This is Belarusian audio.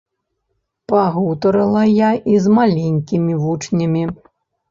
Пагутарыла я і з маленькімі вучнямі.